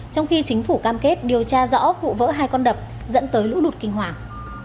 trong khi chính phủ cam kết điều tra rõ vụ vỡ hai con đập dẫn tới lũ lụt kinh hoàng